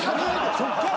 そっから？